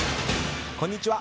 こんにちは。